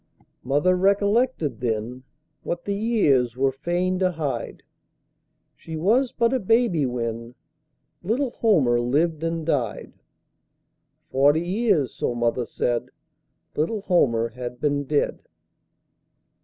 Mother recollected then What the years were fain to hide She was but a baby when Little Homer lived and died; Forty years, so mother said, Little Homer had been dead.